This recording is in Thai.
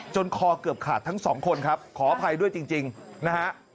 คอเกือบขาดทั้งสองคนครับขออภัยด้วยจริงนะฮะ